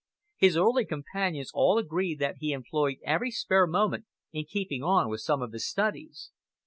His early companions all agree that he employed every spare moment in keeping on with some one of his studies.